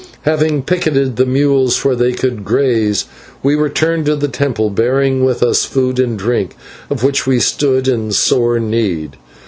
Having picketed the mules where they could graze, we returned to the temple, bearing with us food and drink, of which we stood in sore need.